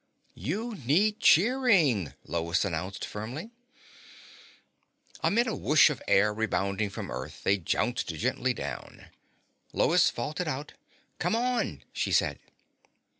"You need cheering," Lois announced firmly. Amid a whoosh of air rebounding from earth, they jounced gently down. Lois vaulted out. "Come on," she said.